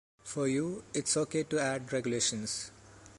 For you, it’s ok to add regulations.